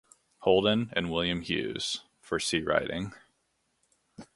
Holden and William Hews, for C Riding.